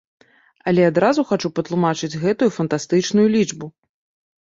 Але адразу хачу патлумачыць гэтую фантастычную лічбу.